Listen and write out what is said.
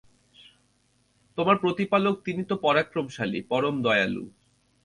তোমার প্রতিপালক তিনি তো পরাক্রমশালী, পরম দয়ালু।